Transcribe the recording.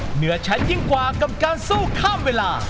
เหนือชั้นยิ่งกว่ากับการสู้ข้ามเวลา